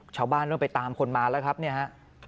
ชาวบ้านต้องไปตามคนมาแล้วครับเนี่ยฮะ